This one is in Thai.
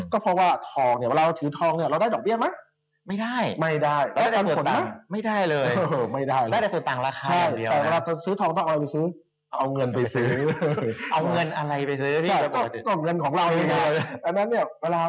ก็เพราะว่าทองเนี่ยเวลาถือทองเนี่ยเราได้ดอกเบี้ยมะไม่ได้ไม่ได้ได้ได้ส่วนตังค์ไม่ได้เลย